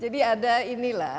jadi ada inilah